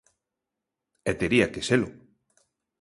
E tería que selo.